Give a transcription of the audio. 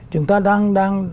chúng ta đang